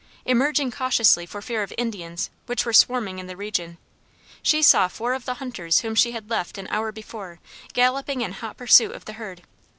Emerging cautiously for fear of Indians, which were swarming in the region, she saw four of the hunters whom she had left an hour before galloping in hot pursuit of the herd.